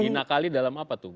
dinakali dalam apa tuh